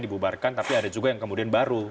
dibubarkan tapi ada juga yang kemudian baru